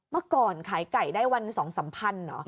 เมื่อก่อนขายไก่ได้วัน๒๓พันเหรอ